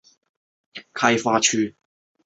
镇内一部分为青阳县开发区辖区。